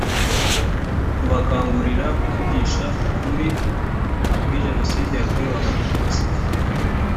kubakangurira kuvugisha ukuri kuri jenoside yakorewe abatutsi